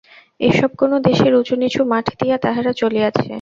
এসব কোন দেশের উঁচু নিচু মাঠ দিয়া তাহারা চলিয়াছে?